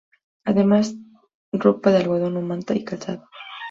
Además ropa de algodón o manta y calzado.